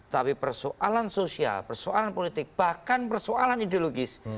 tapi persoalan sosial persoalan politik bahkan persoalan ideologis